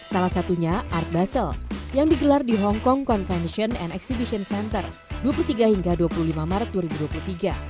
salah satunya art basel yang digelar di hongkong convention and exhibition center dua puluh tiga hingga dua puluh lima maret